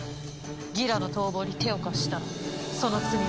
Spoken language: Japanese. ギラの逃亡に手を貸したその罪は必ず裁く！